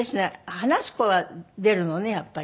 話す声は出るのねやっぱり。